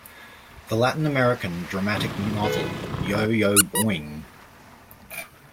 The Latin American dramatic novel Yo-Yo Boing!